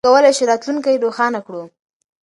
موږ کولای شو راتلونکی روښانه کړو.